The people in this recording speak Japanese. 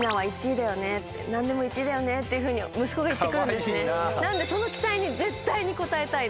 何でも１位だよねっていうふうに息子が言って来るんですね。